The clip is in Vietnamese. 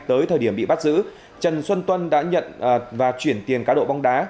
tới thời điểm bị bắt giữ trần xuân tuân đã nhận và chuyển tiền cá độ bóng đá